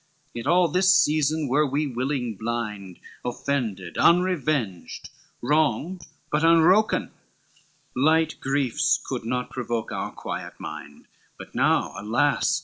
LXVI "Yet all this season were we willing blind, Offended unrevenged, wronged but unwroken, Light griefs could not provoke our quiet mind, But now, alas!